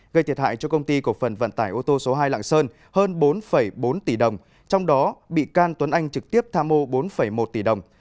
gây thiệt hại cho công ty cổ phần vận tải ô tô số hai lạng sơn hơn bốn bốn tỷ đồng trong đó bị can tuấn anh trực tiếp tham ô bốn một tỷ đồng